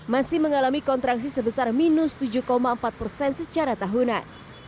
masih mengalami kontraksi sebesar minus tujuh empat persen secara tahunan